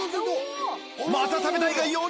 「また食べたい」が４人！